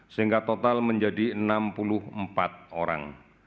sehingga total menjadi enam puluh empat orang